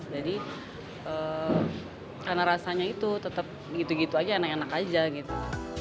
jadi karena rasanya itu tetap gitu gitu aja enak enak aja gitu